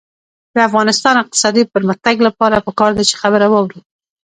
د افغانستان د اقتصادي پرمختګ لپاره پکار ده چې خبره واورو.